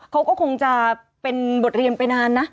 เขาก็คงจะเป็นบทเรียนไปนานนะ